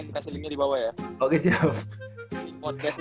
kasih linknya di bawah ya kasih linknya di bawah cenk